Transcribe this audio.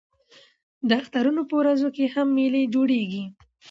د اخترونو په ورځو کښي هم مېلې جوړېږي.